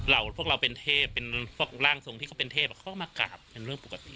พวกเราเป็นเทพเป็นพวกร่างทรงที่เขาเป็นเทพเขาก็มากราบเป็นเรื่องปกติ